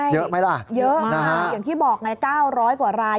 เยอะไหมล่ะเยอะนะคะอย่างที่บอกไง๙๐๐กว่าราย